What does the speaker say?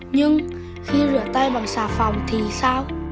nhưng khi rửa tay bằng xà phòng thì sao